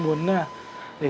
mình cũng thấy rất là sợ